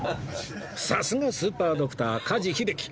さすがスーパードクター加地秀樹